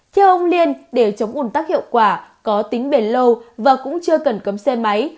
theo ông liên để chống ủn tắc hiệu quả có tính bền lâu và cũng chưa cần cấm xe máy